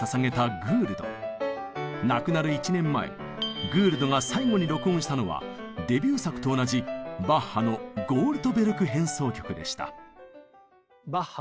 亡くなる１年前グールドが最後に録音したのはデビュー作と同じバッハの「ゴールトベルク変奏曲」でした。